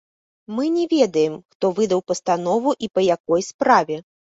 Мы не ведаем, хто выдаў пастанову і па якой справе.